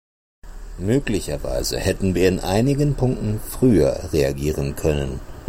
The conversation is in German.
Möglicherweise hätten wir in einigen Punkten früher reagieren können.